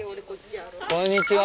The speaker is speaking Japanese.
こんにちは。